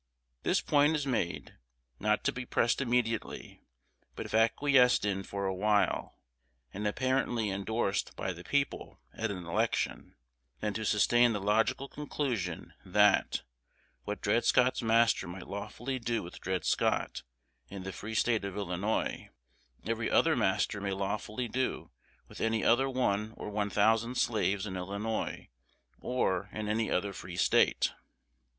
This point is made, not to be pressed immediately; but if acquiesced in for a while, and apparently indorsed by the people at an election, then to sustain the logical conclusion, that, what Dred Scott's master might lawfully do with Dred Scott in the free State of Illinois, every other master may lawfully do with any other one or one thousand slaves in Illinois, or in any other Free State.